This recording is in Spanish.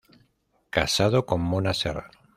Casado con Mona Serrano.